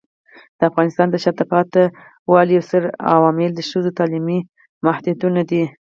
د افغانستان د شاته پاتې والي یو ستر عامل ښځو تعلیمي محدودیتونه دي.